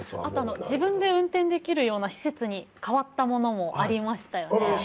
あと自分で運転できるような施設に変わったものもありましたよね。